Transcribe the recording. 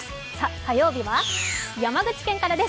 火曜日は山口県からです。